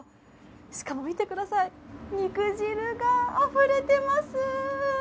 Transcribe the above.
しかも見てください、肉汁があふれてます。